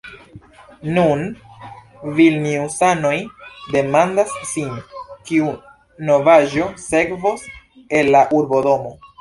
Nun vilniusanoj demandas sin, kiu novaĵo sekvos el la urbodomo.